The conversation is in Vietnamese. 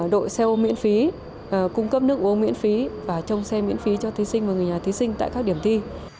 đội xe ô miễn phí cung cấp nước uống miễn phí và trông xe miễn phí cho thí sinh và người nhà thí sinh tại các điểm thi